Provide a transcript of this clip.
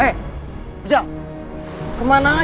distributor lagi malaran